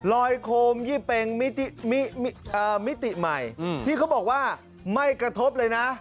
โคมยี่เป็งมิติใหม่ที่เขาบอกว่าไม่กระทบเลยนะ